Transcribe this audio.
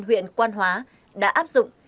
huyện quan hóa đã áp dụng